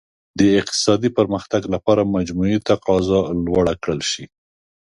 د اقتصادي پرمختګ لپاره مجموعي تقاضا لوړه کړل شي.